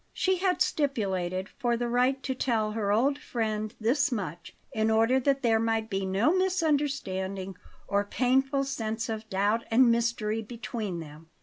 She had stipulated for the right to tell her old friend this much, in order that there might be no misunderstanding or painful sense of doubt and mystery between them.